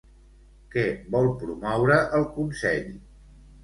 Què vol promoure el Consell?